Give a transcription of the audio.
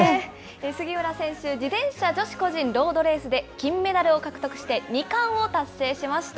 杉浦選手、自転車女子個人ロードレースで、金メダルを獲得して、２冠を達成しました。